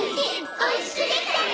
美味しくできたね！